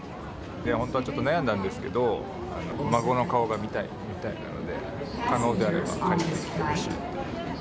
本当はちょっと悩んだんですけど、孫の顔が見たいみたいなんで、可能であれば帰ってきてほしいって。